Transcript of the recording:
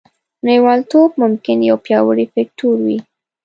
نړیوالتوب ممکن یو پیاوړی فکتور وي